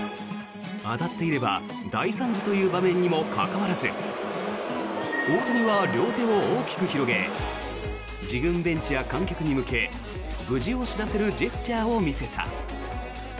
当たっていれば大惨事という場面にもかかわらず大谷は両手を大きく広げ自軍ベンチや観客に向け無事を知らせるジェスチャーを見せた。